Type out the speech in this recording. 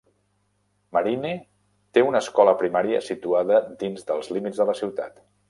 Marine té una escola primària situada dins dels límits de la ciutat.